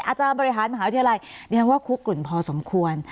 อาจารย์บริหารมหาวิทยาลัยนี่คือคุณพอสมควร